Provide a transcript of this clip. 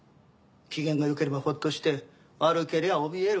機嫌が良ければホッとして悪けりゃおびえる。